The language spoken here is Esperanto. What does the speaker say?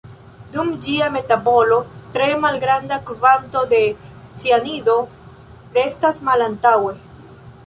Dum ĝia metabolo, tre malgranda kvanto de cianido restas malantaŭe.